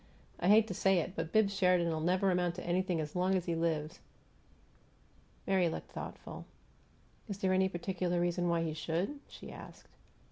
I hate to say it, but Bibbs Sheridan'll never amount to anything as long as he lives." Mary looked thoughtful. "Is there any particular reason why he should?" she asked.